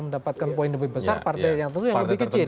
mendapatkan poin lebih besar partai yang tentu yang lebih kecil